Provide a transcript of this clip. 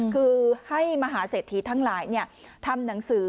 คือให้มหาเศรษฐีทั้งหลายทำหนังสือ